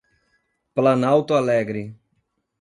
Planalto Alegre